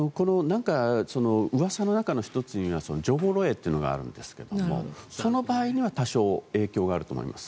うわさの中の１つには情報漏えいというのがあるんですけどその場合には多少、影響があると思います。